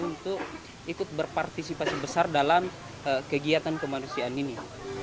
untuk ikut berpartisipasi besar dalam kegiatan kemanusiaan ini